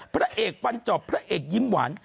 พระเอกฟันจอบพระเอกยิ้มหวาน